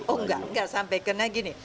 oh enggak enggak sampai kena gini